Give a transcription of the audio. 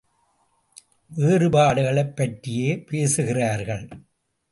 வேறுபாடுகளைப் பற்றியே பேசுகிறார்கள்.